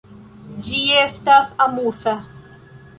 Ĝi estas amuza.